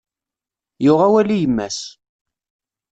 Yuɣ awal i yemma-s.